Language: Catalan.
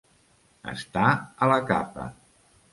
Estar a la capa.